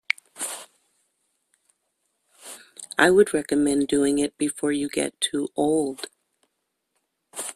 I would recommend doing it before you get too old.